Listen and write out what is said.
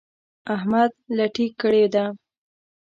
احمد لټي کړې ده.